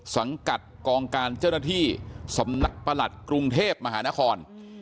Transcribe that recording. สังกัดกองการเจ้าหน้าที่สำนักประหลัดกรุงเทพมหานคร